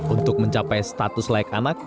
untuk mencapai status layak anak